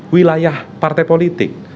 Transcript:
wilayah partai politik